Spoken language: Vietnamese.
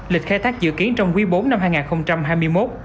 lịch khai thác dự kiến trong quý bốn năm hai nghìn hai mươi một